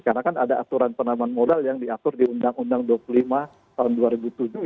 karena kan ada aturan penanaman modal yang diatur di undang undang dua puluh lima tahun dua ribu tujuh